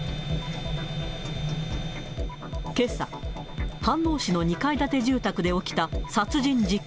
けさ、飯能市の２階建て住宅で起きた殺人事件。